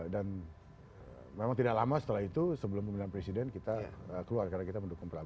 memang tidak lama setelah itu sebelum pemilihan presiden kita keluar karena kita mendukung prabowo